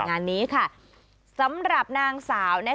งานนี้ค่ะสำหรับนางสาว